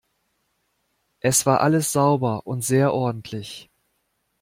Es war alles sauber und sehr ordentlich!